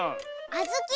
あずき！